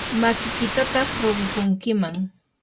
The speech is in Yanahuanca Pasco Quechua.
makiykitataq hirakunkiman.